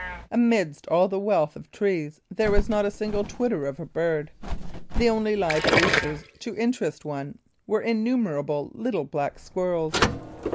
Amidst all the wealth of trees there was not a single twitter of a bird. The only live creatures to interest one were innumerable little black squirrels.